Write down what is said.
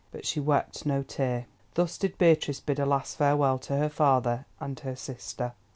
But she wept no tear. Thus did Beatrice bid a last farewell to her father and her sister.